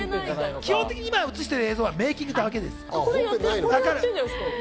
基本的に今映している映像はメイキングだけです。